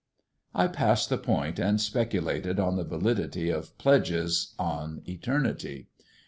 I passed the point, and speculated on the validity of pledges on eternity.